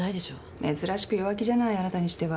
珍しく弱気じゃないあなたにしては。